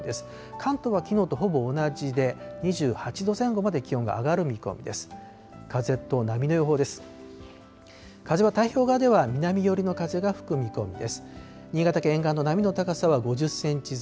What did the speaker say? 関東はきのうとほぼ同じで、２８度前後まで気温が上がる見込みです。